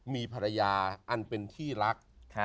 มีภรรยาอันเป็นที่รัก